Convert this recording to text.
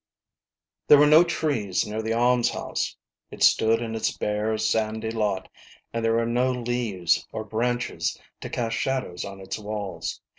There were no trees near the almshouse ; it stood in its bare, sandy lot, and there were no leaves or branches to cast shadows on its walls.